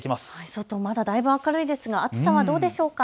外、まだ明るいですが暑さはどうでしょうか。